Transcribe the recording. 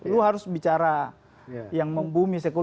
lu harus bicara yang membumi